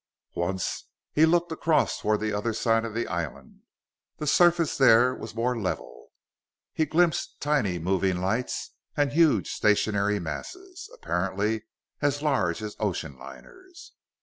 Once he looked across toward the other side of the island. The surface there was more level. He glimpsed tiny moving lights, and huge stationary masses, apparently as large as ocean liners.